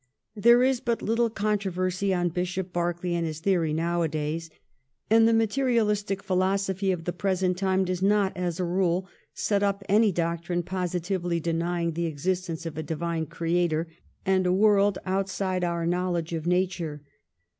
There is but little controversy on Bishop Berkeley and his theory nowadays, and the materialistic philosophy of the present time does not as a rule set up any doctrine positively denying the existence of a Divine Creator and a world outside our knowledge of nature.